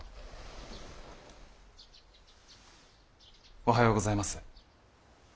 おはようございます。